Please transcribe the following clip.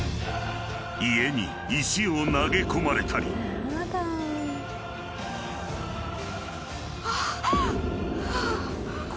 ［家に石を投げ込まれたり］はっ！？